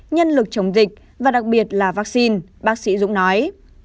nhân lực chống dịch và đặc biệt là vaccine bác sĩ dũng nói